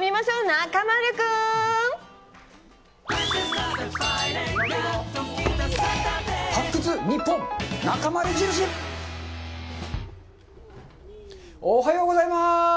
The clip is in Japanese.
中丸くん！おはようございます。